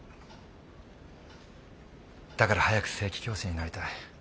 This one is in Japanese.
だから早く正規教師になりたい。